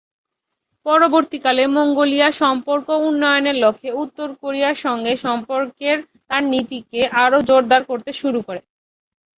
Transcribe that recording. পরবর্তীকালে, মঙ্গোলিয়া সম্পর্ক উন্নয়নের লক্ষ্যে, উত্তর কোরিয়ার সঙ্গে সম্পর্কের তার নীতিকে আরও জোরদার করতে শুরু করে।